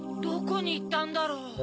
どこにいったんだろう？